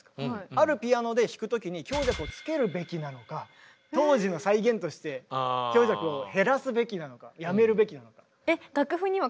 あるピアノで弾く時に強弱をつけるべきなのか当時の再現として強弱を減らすべきなのかやめるべきなのか。